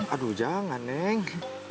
aduh jangan neng